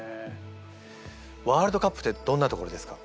ワールドカップってどんなところですか？